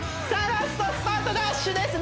ラストスパートダッシュです